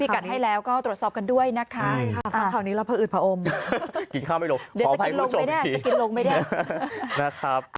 ขอบคุณครับ